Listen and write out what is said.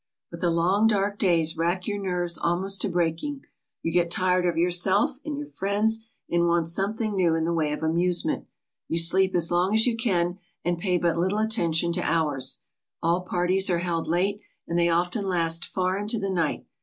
" But the long, dark days rack your nerves almost to breaking! You get tired of yourself and your friends and want something new in the way of amusement. You sleep as long as you can and pay but little attention to hours. All parties are held late and they often last far jnto the night.